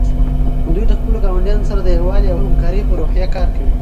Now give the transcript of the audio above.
دوی د خپلو ګاونډیانو سره د یووالي او همکارۍ په روحیه کار کوي.